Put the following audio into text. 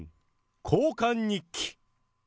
交換日記。